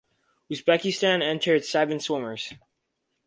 Uzbekistan entered seven swimmers.